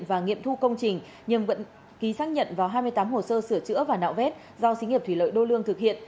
và nghiệm thu công trình nhưng vẫn ký xác nhận vào hai mươi tám hồ sơ sửa chữa và nạo vét do xí nghiệp thủy lợi đô lương thực thực hiện